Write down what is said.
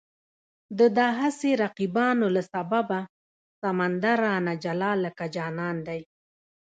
د دا هسې رقیبانو له سببه، سمندر رانه جلا لکه جانان دی